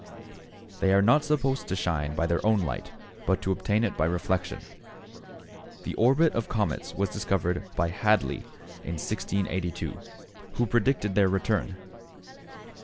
They are not supposed to shine by their own light, but to obtain it by reflection. The orbit of comets was discovered by Hadley in 1682, who predicted their return.